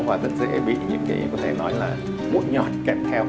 và rất dễ bị những cái có thể nói là mũi nhọn kẹp theo